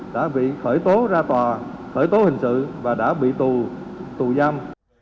đã bị khởi tố ra tòa khởi tố hình sự và đã bị tù tù giam